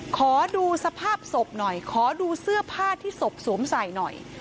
ขอดูสภาพศพหน่อยขอดูเสื้อผ้าที่ศพสวมใส่หน่อย